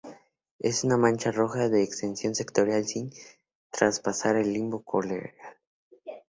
Es una mancha roja de extensión sectorial sin traspasar el limbo corneal.